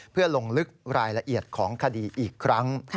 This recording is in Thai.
เพื่อลงลึกรายละเอียดของคดีอีกครั้ง